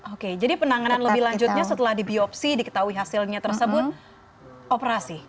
oke jadi penanganan lebih lanjutnya setelah dibiopsi diketahui hasilnya tersebut operasi